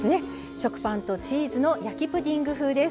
食パンとチーズの焼きプディング風です。